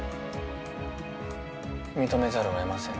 認めざるをえません。